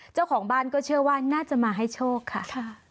เจ้าของบ้านก็เชื่อว่าน่าจะมาให้โชคค่ะ